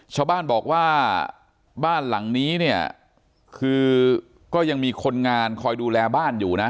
ชาวบ้านบอกว่าบ้านหลังนี้เนี่ยคือก็ยังมีคนงานคอยดูแลบ้านอยู่นะ